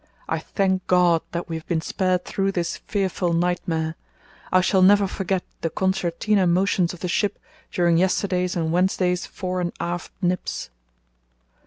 I thank God that we have been spared through this fearful nightmare. I shall never forget the concertina motions of the ship during yesterday's and Wednesday's fore and aft nips.